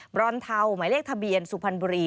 รอนเทาหมายเลขทะเบียนสุพรรณบุรี